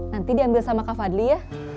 nanti diambil sama kak fadli ya